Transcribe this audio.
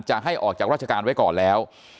ให้ออกจากราชการไว้ก่อนแล้ว